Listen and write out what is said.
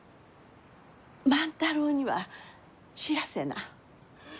万太郎には知らせな。